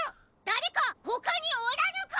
だれかほかにおらぬか！？